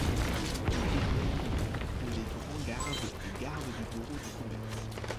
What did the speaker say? Ils deviennent au les Grand-Gardes et Gardes du Bureau du Commerce.